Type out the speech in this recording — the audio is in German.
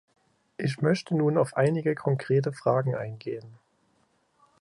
Ich möchte nun auf einige konkrete Fragen eingehen.